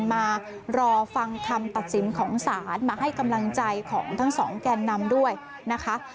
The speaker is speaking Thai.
มารอฟังคำตัดสินของศาลมาให้กำลังใจของทั้งสองแกนนำด้วยนะคะ